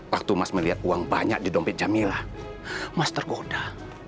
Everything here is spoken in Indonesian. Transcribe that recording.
waktu mas melihat uang banyak di dompet jamila mas terkoda